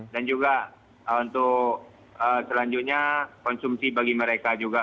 dan juga untuk selanjutnya konsumsi bagi mereka juga